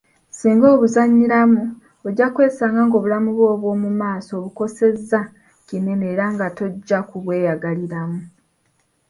Singa obuzannyiramu ojja kwesanga ng’obulamu bwo obw’omu maaso obukosezza kinene era nga tojja ku bw'eyagaliramu.